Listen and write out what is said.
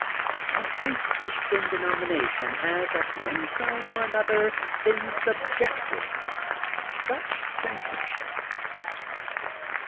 Every Christian de nomination has at one time or another been subjected to such censorsUp.